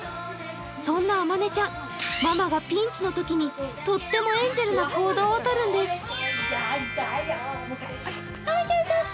そんなあまねちゃんママがピンチのときにとってもエンジェルな行動をとるんです。